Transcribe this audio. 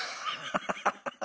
ハハハッ。